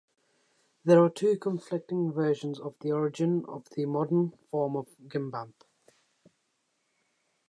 There are two conflicting versions of the origin of the modern form of gimbap.